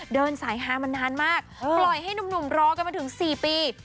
เดินสายฮามานานมากปล่อยให้หนุ่มรอกันมาถึง๔ปี